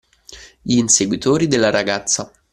Gli inseguitori della ragazza